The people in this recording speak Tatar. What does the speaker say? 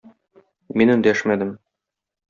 Мин эндәшмәдем.